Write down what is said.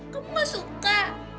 kamu nggak suka